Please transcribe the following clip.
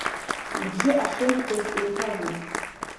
Ибжьы ахьынтәгоз еиҭагеит.